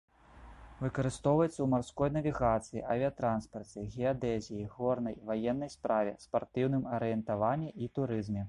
Выкарыстоўваецца ў марской навігацыі, авіятранспарце, геадэзіі, горнай, ваеннай справе, спартыўным арыентаванні і турызме.